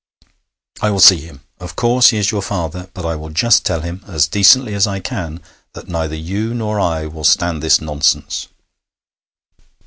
'I will see him. Of course he is your father; but I will just tell him as decently as I can that neither you nor I will stand this nonsense.'